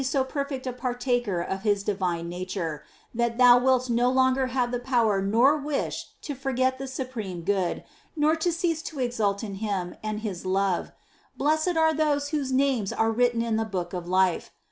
SO perfect a " partaker of His divine nature "* that thou wilt no longer have the power nor wish to forget the supreme Good, nor to cease to exult in Him and in His love. Blessed are those whose names are written in the book of life.''